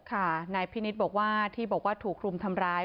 ค่ะนายพิณิศบอกว่าถูกรุมทำร้าย